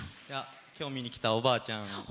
今日見に来た、おばあちゃん。